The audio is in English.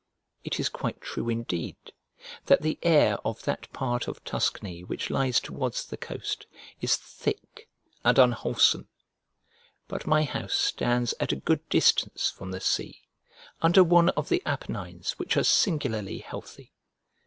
It is quite true indeed that the air of that part of Tuscany which lies towards the coast is thick and unwholesome: but my house stands at a good distance from the sea, under one of the Apennines which are singularly healthy.